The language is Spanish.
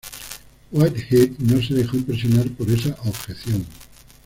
Whitehead no se dejó impresionar por esa objeción.